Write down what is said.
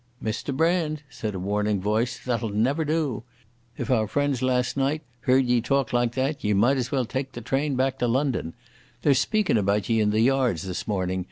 "Mr Brand," said a warning voice, "that'll never do. If our friends last night heard ye talk like that ye might as well tak the train back to London.... They're speakin' about ye in the yards this morning.